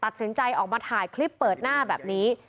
ตัดสินใจออกมาถ่ายคลิปเปิดหน้าแบบนี้